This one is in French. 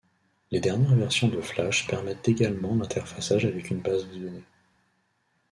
Les dernières versions de Flash permettent également l'interfaçage avec une base de données.